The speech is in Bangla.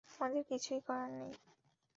আমাদের কিছুই করার নেই।